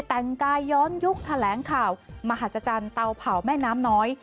แต่งกายย้อนยุคแถลงข่าวมหัศจรรย์เตาเผาแม่น้ำน้อย